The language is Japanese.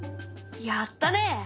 やったね！